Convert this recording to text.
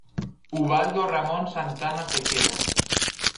Ubaldo Ramón Santana Sequera.